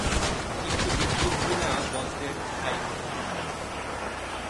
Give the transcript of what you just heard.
কিন্তু বিদ্যুৎ বিনা বজ্রের ঠাঁই কোথায়?